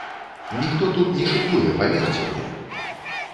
Ніхто тут не шыкуе, паверце мне!